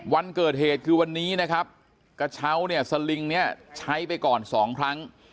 วันเกิดเหตุคือวันนี้นะครับกระเช้าเนี่ยสลิงเนี่ยใช้ไปก่อนสองครั้ง